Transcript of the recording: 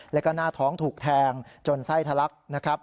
และก็หน้าท้องถูกแทงจนไส้ทะลักษณ์